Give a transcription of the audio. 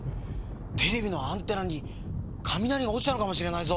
テレビのアンテナにかみなりがおちたのかもしれないぞ。